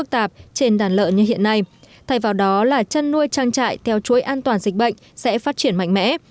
trên đàn lợn như hiện nay thay vào đó là chăn nuôi trang trại theo chuỗi an toàn dịch bệnh sẽ phát triển mạnh mẽ